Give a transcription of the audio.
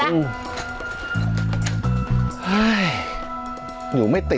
อุ๊ยไง